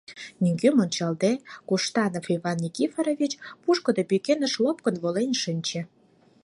Нигӧм ончалде, Коштанов Иван Никифорович пушкыдо пӱкеныш лоптык волен шинче.